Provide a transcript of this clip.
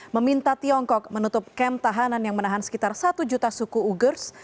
meminta tiongkok menutup kem tahanan yang menahan sekitar satu juta suku ugers